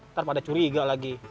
ntar pada curiga lagi